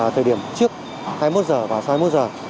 thời điểm trước hai mươi một h và sau hai mươi một h